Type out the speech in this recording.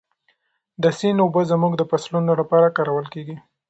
د سیند اوبه زموږ د فصلونو لپاره کارول کېږي.